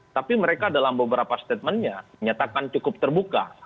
tapi mereka dalam beberapa statementnya menyatakan cukup terbuka